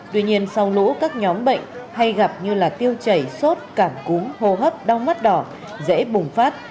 tuy nhiên sau lũ các nhóm bệnh hay gặp như tiêu chảy sốt cảm cúm hô hấp đau mắt đỏ dễ bùng phát